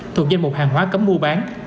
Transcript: thuộc danh mục hàng hóa cấm mua bán